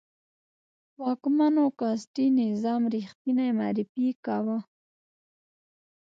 واکمنو کاسټي نظام ریښتنی معرفي کاوه.